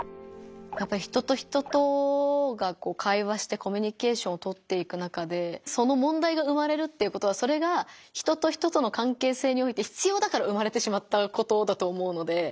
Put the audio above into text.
やっぱり人と人とが会話してコミュニケーションをとっていく中でそのもんだいが生まれるっていうことはそれが人と人との関係性において必要だから生まれてしまったことだと思うので。